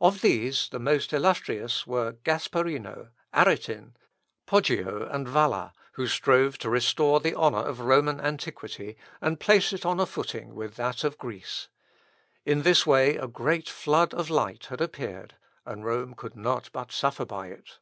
Of these, the most illustrious were Gasparino, Aretin, Poggio, and Valla, who strove to restore the honour of Roman antiquity, and place it on a footing with that of Greece. In this way, a great flood of light had appeared, and Rome could not but suffer by it.